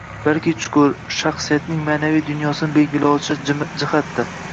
balki chuqur, shaxsiyatning ma’naviy dunyosini belgilovchi jihatdir.